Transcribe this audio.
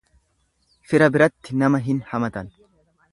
Fira biratti nama hin hamatan.